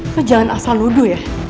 lo jangan asal luduh ya